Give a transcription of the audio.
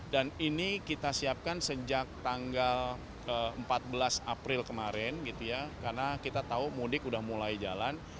dan ini kita siapkan sejak tanggal empat belas april kemarin karena kita tahu modik sudah mulai jalan